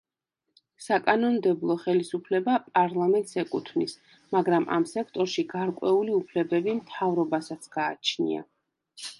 საკანონმდებლო ხელისუფლება პარლამენტს ეკუთვნის, მაგრამ ამ სექტორში გარკვეული უფლებები მთავრობასაც გააჩნია.